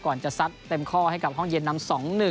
ก่อนจะซัดเต็มข้อให้กับห้องเย็นนำ๒๑